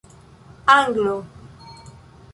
anglo